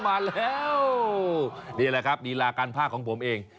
นี่แหละครับนี่ลาการภาคของผมเอง